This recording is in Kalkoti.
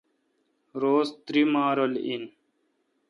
روز تئری ماہ رل این